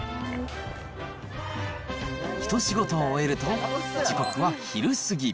一仕事終えると、時刻は昼過ぎ。